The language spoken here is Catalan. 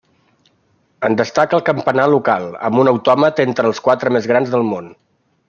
En destaca el campanar local, amb un autòmat entre els quatre més grans del món.